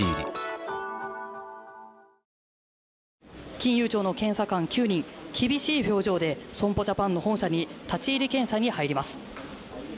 金融庁の検査官９人、厳しい表情で損保ジャパンの本社に立ち入り検査に入ります。